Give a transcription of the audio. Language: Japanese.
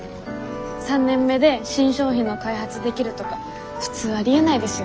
３年目で新商品の開発できるとか普通ありえないですよね。